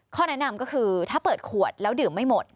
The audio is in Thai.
แนะนำก็คือถ้าเปิดขวดแล้วดื่มไม่หมด